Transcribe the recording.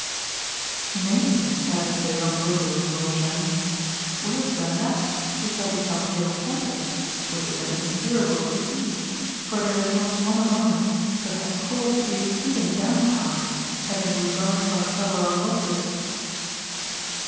"Nay," added the young widow Longarine, "worse than that, we shall become ill tempered, which is an incurable disease; for there is not one among us but has cause to be exceeding downcast, having regard to our several losses."